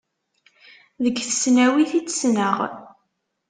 Deg tesnawit i tt-ssneɣ.